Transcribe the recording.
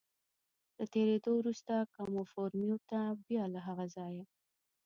له تېرېدو وروسته کاموفورمیو ته، بیا له هغه ځایه.